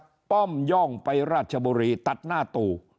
ป้อมย่องไปราชบุรีตัดหน้าตู่